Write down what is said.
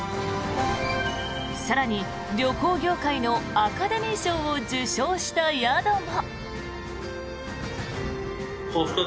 更に、旅行業界のアカデミー賞を受賞した宿も。